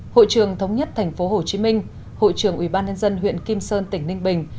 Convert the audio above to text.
hội trường thống nhất thành phố hồ chí minh hội trường ủy ban nhân dân huyện kim sơn tỉnh ninh bình